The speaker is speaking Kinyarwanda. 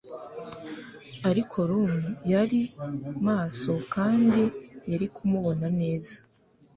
ariko rum yari maso kandi yari kumubona neza